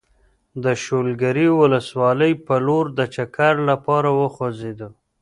د شولګرې ولسوالۍ په لور د چکر لپاره وخوځېدو.